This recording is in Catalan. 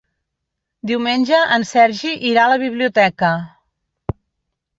Diumenge en Sergi irà a la biblioteca.